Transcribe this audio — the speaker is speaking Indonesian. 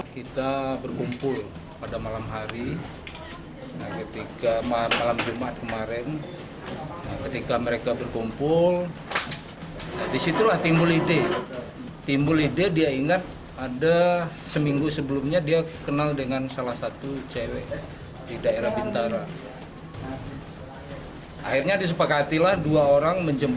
cewek itu ke bintara